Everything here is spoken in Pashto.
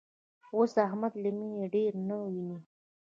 اوس احمد له مینې ډېر نه ویني.